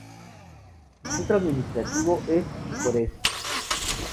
Su centro administrativo es Tijoretsk.